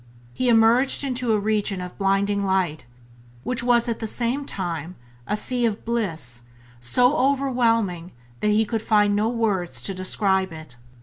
He emerged into a region of blinding light which was at the same time a sea of bliss so overwhelming that he could find no words to describe it.